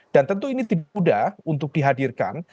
dan tentu ini tidak mudah untuk dihadirkan